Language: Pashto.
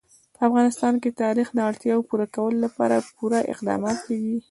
په افغانستان کې د تاریخ د اړتیاوو پوره کولو لپاره پوره اقدامات کېږي.